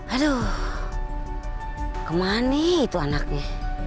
aduh kemana itu anaknya